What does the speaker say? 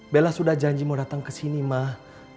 bella sudah janji mau datang kesini mah